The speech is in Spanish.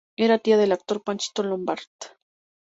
Era tía del actor Panchito Lombard.